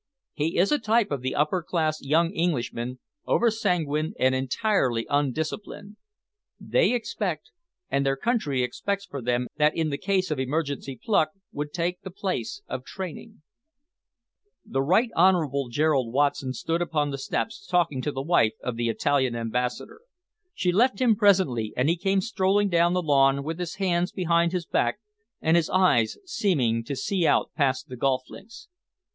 He is a type of the upper class young Englishman, over sanguine and entirely undisciplined. They expect, and their country expects for them that in the case of emergency pluck would take the place of training." The Right Honourable Gerald Watson stood upon the steps talking to the wife of the Italian Ambassador. She left him presently, and he came strolling down the lawn with his hands behind his back and his eyes seeming to see out past the golf links.